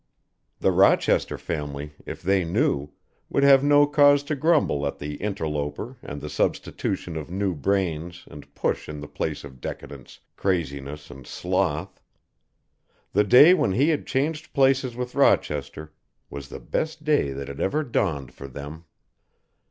The Rochester family, if they knew, would have no cause to grumble at the interloper and the substitution of new brains and push in the place of decadence, craziness and sloth. The day when he had changed places with Rochester was the best day that had ever dawned for them.